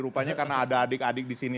rupanya karena ada adik adik di sini